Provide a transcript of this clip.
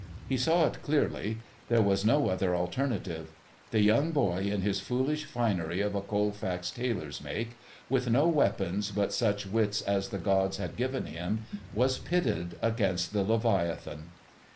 He saw it clearly. There was no other alternative. The young boy in his foolish finery of a Colfax tailor's make, with no weapons but such wits as the gods had given him, was pitted against the leviathan.